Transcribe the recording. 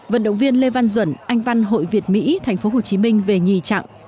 vận động viên lê văn duẩn anh văn hội việt mỹ thành phố hồ chí minh về nhì trạng